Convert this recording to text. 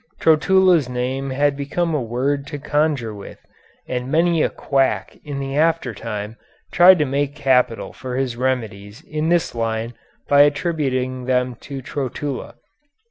Trotula's name had become a word to conjure with, and many a quack in the after time tried to make capital for his remedies in this line by attributing them to Trotula.